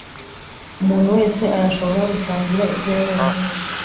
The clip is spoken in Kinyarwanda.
umuntu wese arashobora gusangira ibyo yabonye neza,